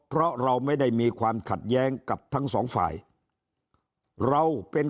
เพราะเราไม่ได้มีความขัดแย้งกับทั้งสองฝ่ายเราเป็น